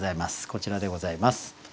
こちらでございます。